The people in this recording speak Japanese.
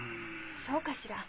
そうかしら？